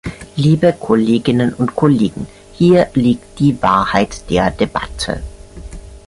Liebe Kolleginnen und Kollegen, hier liegt die Wahrheit der Debatte.